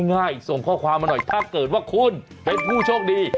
ง่ายส่งข้อความมาหน่อยถ้าเกิดว่าคุณเป็นผู้โชคดี